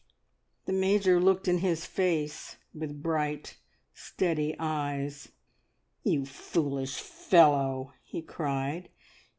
The Major looked in his face with bright, steady eyes. "You foolish fellow!" he cried.